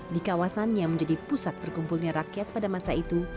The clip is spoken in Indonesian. di kawasan yang menjadi pusat berkumpulnya rakyat pada masa itu